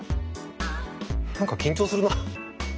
何か緊張するな。